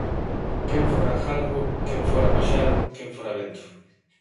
Quen fora galgo, quen fora paxaro, quen fora vento!